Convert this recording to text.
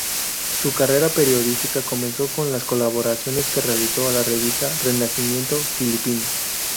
Su carrera periodística comenzó con las colaboraciones que realizó a la revista "Renacimiento Filipino".